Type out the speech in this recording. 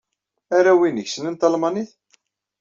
Arraw-nnek ssnen talmanit?